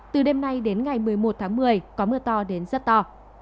từ đêm nay đến ngày một mươi một tháng một mươi có mưa to đến rất to